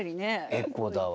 エコだわ。